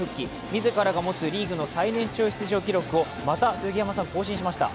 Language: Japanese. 自らが持つリーグの最年長出場記録をまた更新しました。